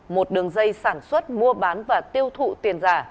một đường dây sản xuất mua bán và tiêu thụ tiền giả